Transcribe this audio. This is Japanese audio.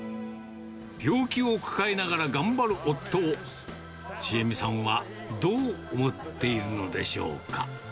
病気を抱えながら頑張る夫を、千栄美さんはどう思っているのでしょうか。